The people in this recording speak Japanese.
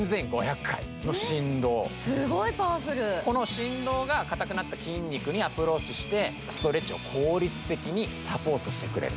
この振動が固くなった筋肉にアプローチして効率的にサポートしてくれる。